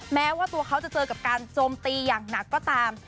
แม้ว่าตัวเขาจะเจอกับการโจมตีอย่างหนักก็ตาม